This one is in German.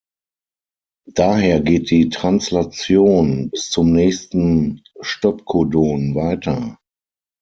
Daher geht die Translation bis zum nächsten Stopcodon weiter.